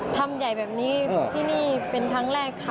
ทำใหญ่แบบนี้ที่นี่เป็นครั้งแรกค่ะ